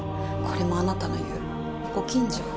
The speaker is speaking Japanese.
これもあなたの言うご近所？